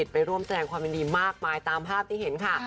ไปร่วมแสดงความยินดีมากมายตามภาพที่เห็นค่ะ